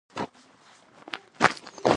میشتېدل د خلکو قلمرو کوچني کړل.